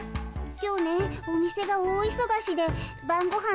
今日ねお店が大いそがしでばんごはん